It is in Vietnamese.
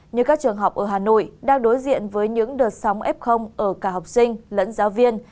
như các trường học ở hà nội đang đối diện với những đợt sóng f ở cả học sinh lẫn giáo viên